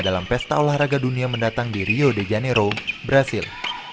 dalam pesta olahraga dunia mendatang di rio de janeiro brazil